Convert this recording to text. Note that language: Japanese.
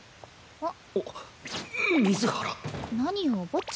あっ。